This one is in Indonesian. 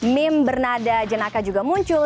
meme bernada jenaka juga muncul